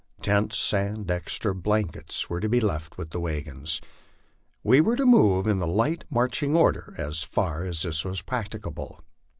Tents and extra blankets were to be left with the wagons. We were to move in light marching order as far as this was practicable.